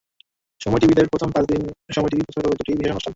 সময় টিভিঈদের প্রথম পাঁচ দিন সময় টিভি প্রচার করবে দুটি বিশেষ অনুষ্ঠান।